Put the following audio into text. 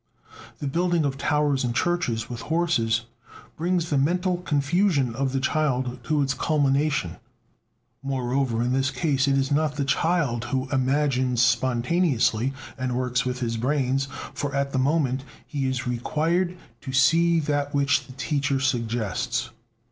The building of towers and churches with horses brings the mental confusion of the child to its culmination. Moreover, in this case it is not the child who "imagines spontaneously" and works with his brains, for at the moment he is required to see that which the teacher suggests.